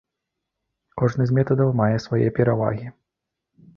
Кожны з метадаў мае свае перавагі.